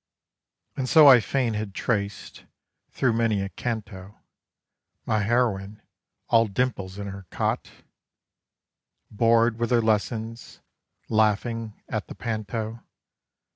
And so I fain had traced, through many a canto, My heroine; all dimples in her cot; Bored with her lessons; laughing at the panto.